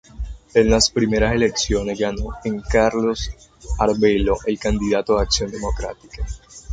En las primeras elecciones ganó en Carlos Arvelo el candidato de Acción Democrática.